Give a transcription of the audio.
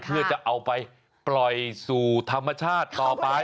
เพื่อจะเอาไปปล่อยสู่ธรรมชาติต่อไป